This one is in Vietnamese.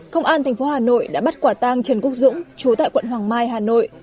công an tp hà nội đã bắt quả tang trần quốc dũng chú tại quận hoàng mai hà nội